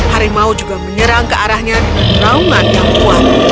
harimau juga menyerang ke arahnya dengan naungan yang kuat